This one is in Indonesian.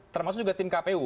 termasuk juga tim kpu